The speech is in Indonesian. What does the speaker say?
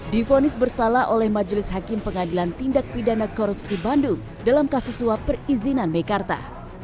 difonis bersalah oleh majelis hakim pengadilan tindak pidana korupsi bandung dalam kasus suap perizinan mekarta